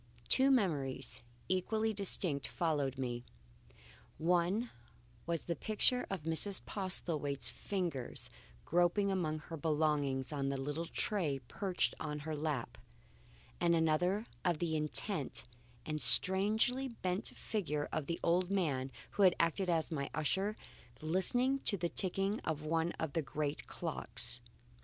Two memories, equally distinct, followed me. One was a picture of Mrs. Postlethwaite's fingers groping among her belongings on the little tray perched upon her lap, and another of the intent and strangely bent figure of the old man who had acted as my usher, listening to the ticking of one of the great clocks.